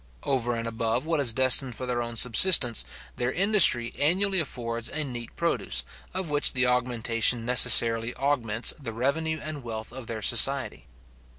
Over and above what is destined for their own subsistence, their industry annually affords a neat produce, of which the augmentation necessarily augments the revenue and wealth of their society.